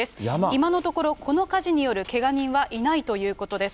今のところ、この火事によるけが人はいないということです。